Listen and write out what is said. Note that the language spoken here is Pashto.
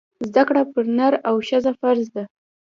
زده کړه پر نر او ښځي فرځ ده